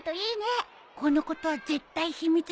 このことは絶対秘密にしてよ。